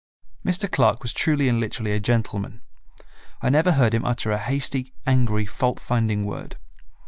Mr. Clark was truly and literally a gentle man. I never heard him utter a hasty, angry, fault finding word.